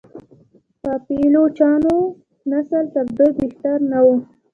پایلوچانو نسل تر دوی بهتر نه و.